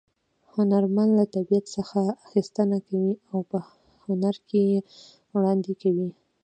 هنرمن له طبیعت څخه اخیستنه کوي او په هنر کې یې وړاندې کوي